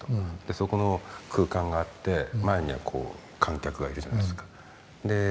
そこの空間があって前には観客がいるじゃないですか。